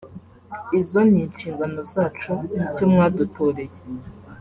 izo ni inshingano zacu nicyo mwadutoreye